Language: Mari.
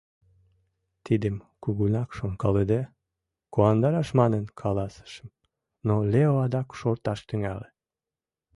Тидым, кугунак шонкалыде, куандараш манын каласышым, но Лео адак шорташ тӱҥале.